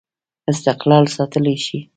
استقلال ساتلای شي.